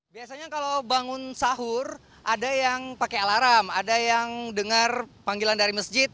biasanya kalau bangun sahur ada yang pakai alarm ada yang dengar panggilan dari masjid